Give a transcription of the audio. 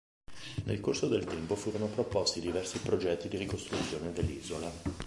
Nel corso del tempo furono proposti diversi progetti di ricostruzione dell'isola.